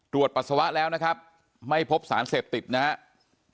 ปัสสาวะแล้วนะครับไม่พบสารเสพติดนะครับ